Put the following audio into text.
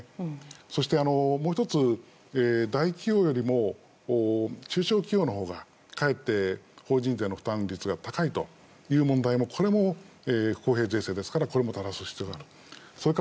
そしてもう１つ大企業よりも中小企業のほうがかえって法人税の負担率が高いという問題もこれも不公平税制ですからこれも正す必要がある。